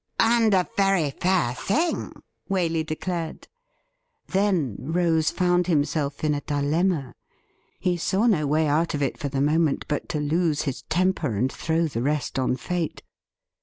' And a very fair thing,' Waley declared. Then Rose found himself in a dilemma. He saw no way out of it for the moment but to lose his temper and throw the rest on fate.